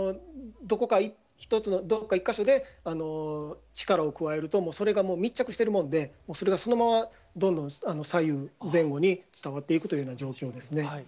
どこか一つの、どこか１か所で力を加えると、もうそれが密着してるもんで、それはそのままどんどん左右前後に伝わっていくというような状況ですね。